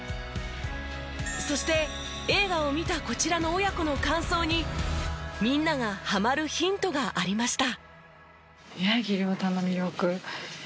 そして映画を見たこちらの親子の感想にみんながハマるヒントがありました。